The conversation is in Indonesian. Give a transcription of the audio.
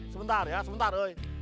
sebentar ya sebentar